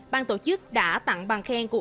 bang tổ chức đã tặng bàn khen của